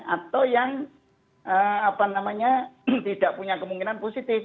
atau yang tidak punya kemungkinan positif